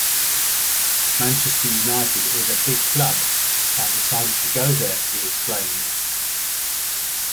"Manchester United is a big club, so I've decided to go there," he explained.